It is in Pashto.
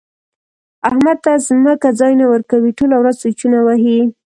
احمد ته ځمکه ځای نه ورکوي؛ ټوله ورځ سوچونه وهي.